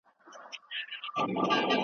هغه وویل چې تندرستي د خدای یو لوی نعمت دی.